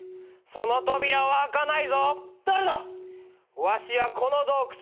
その扉は開かない。